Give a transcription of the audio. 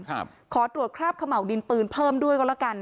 ขอตรวจคราบเขม่าวดินปืนเพิ่มด้วยก็แล้วกัน